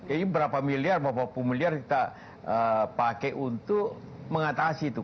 jadi berapa miliar berapa puluh miliar kita pakai untuk mengatasi itu